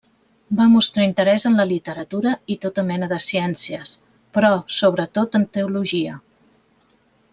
Va mostrar interès en la literatura i tota mena de ciències, però sobretot en teologia.